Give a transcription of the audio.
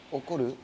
怒る？